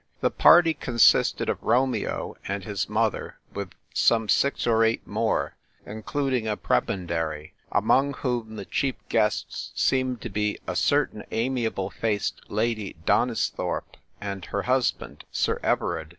The party consisted of Romeo and his mother with some six or eight more (including a pre bendary), among whom the chief guests seemed to be a certain amiable faced Lady Donisthorpe and her husband, Sir Everard.